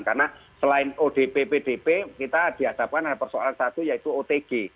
karena selain odp pdp kita dihadapkan ada persoalan satu yaitu otg